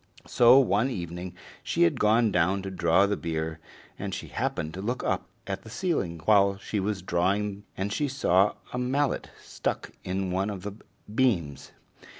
So one evening she had gone down to draw the beer, and she happened to look up at the ceiling while she was drawing, and she saw a mallet stuck in one of the beams.